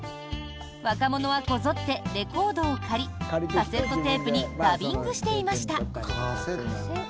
若者はこぞってレコードを借りカセットテープにダビングしていました。